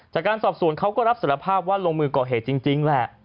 จากการสอบสวนเขาก็รับสารภาพว่าลงมือก่อเหตุจริงแหละ